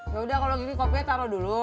yaudah kalau gitu kopinya taruh dulu